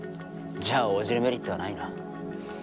じゃあ応じるメリットはないな。